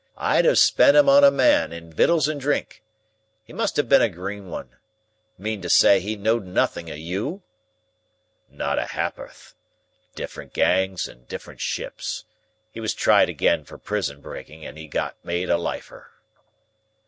"I'd have spent 'em on a Man, in wittles and drink. He must have been a green one. Mean to say he knowed nothing of you?" "Not a ha'porth. Different gangs and different ships. He was tried again for prison breaking, and got made a Lifer."